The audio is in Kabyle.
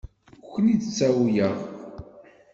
Ur ken-id-ttawyeɣ.